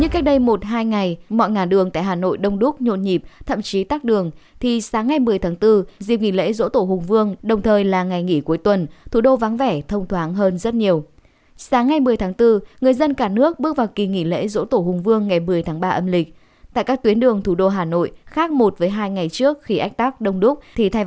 các bạn hãy đăng ký kênh để ủng hộ kênh của chúng mình nhé